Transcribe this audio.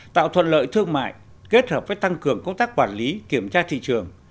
tạo thuận lợi thương mại kết hợp với tăng cường công tác quản lý kiểm tra thị trường